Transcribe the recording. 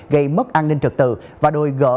gây mất an ninh trật tự và đổi gỡ